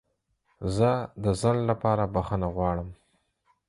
زه د ځنډ لپاره بخښنه غواړم.